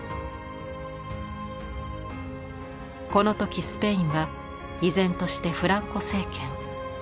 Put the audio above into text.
この時スペインは依然としてフランコ政権。